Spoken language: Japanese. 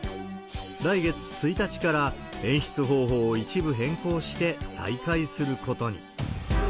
来月１日から、演出方法を一部変更して再開することに。